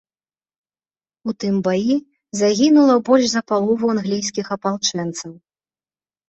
У тым баі загінула больш за палову англійскіх апалчэнцаў.